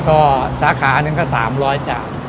ก็สาขานึงก็๓๐๐จาน